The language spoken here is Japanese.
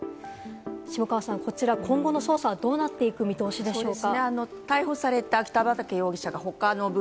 下川さん、こちら今後の捜査はどうなっていく見通しでしょうか？